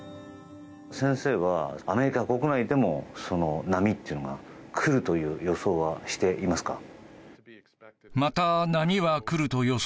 先生はアメリカ国内でもその波というのが来るという予想はしていますか。